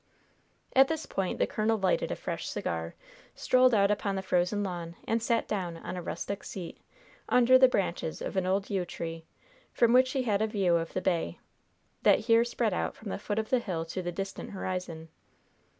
At this point the colonel lighted a fresh cigar, strolled out upon the frozen lawn, and sat down on a rustic seat, under the branches of an old yew tree, from which he had a view of the bay, that here spread out from the foot of the hill to the distant horizon.